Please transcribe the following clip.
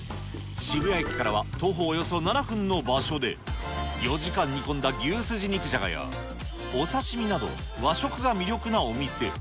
渋谷駅からは徒歩およそ７分の場所で、４時間煮込んだ牛すじ肉じゃがや、お刺身など和食が魅力なお店。